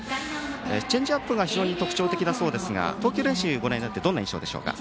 チェンジアップが非常に特徴的だそうですが投球練習をご覧になってどんな印象でしょうか？